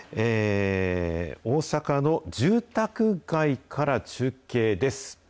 大阪の住宅街から中継です。